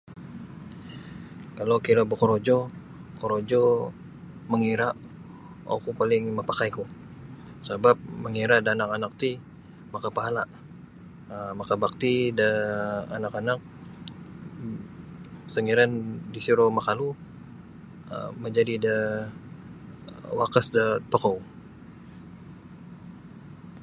Kalau kira bokorojo korojo mangira' oku paling mapakaiku sabap mangira' da anak-anak ti makapahala um makabakti daa anak-anak um sanggiran disiro makalu um majadi daa wakas da tokou.